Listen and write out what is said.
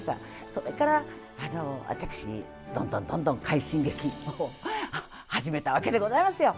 それから私どんどんどんどん快進撃を始めたわけでございますよ。